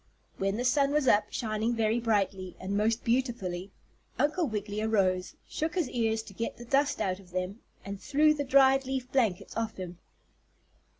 When the sun was up, shining very brightly, and most beautifully, Uncle Wiggily arose, shook his ears to get the dust out of them, and threw the dried leaf blankets off him.